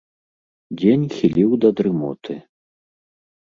Дзень хіліў да дрымоты.